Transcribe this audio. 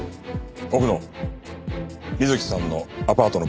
奥野美月さんのアパートの場所は？